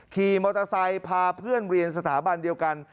ขี่มอเตอร์ไซค์พาเพื่อนเรียนสถาบันเดียวกัน